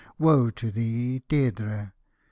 woe to thee, Deirdrc !